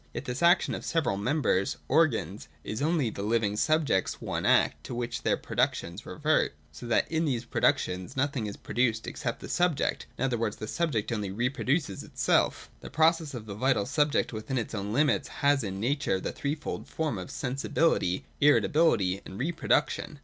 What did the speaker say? Yet this action of the several members (organs) is only the living subject's one act to which their productions revert ; so that in these productions nothing is produced except the sub ject : in other words, the subject only reproduces itself. The process of the vital subject within its own limits has in Nature the threefold form of Sensibilitj^, Irritability, and Reproduction.